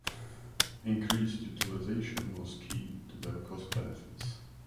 Increased utilization was key to their cost benefits.